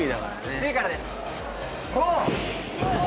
次からです